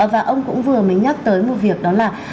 và ông cũng vừa mới nhắc tới một việc đó là